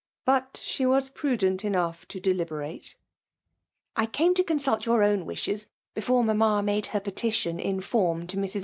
But she was prudent enough to •deliberate. *' I came to consult your own wishes before mamma made her petition in form to Mas.